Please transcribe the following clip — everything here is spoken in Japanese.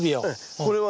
これはね